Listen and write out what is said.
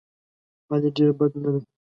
علي ډېر بد نه دی.